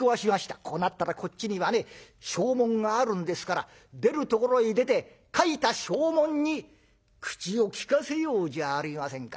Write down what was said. こうなったらこっちにはね証文があるんですから出るところへ出て書いた証文に口を利かせようじゃありませんか」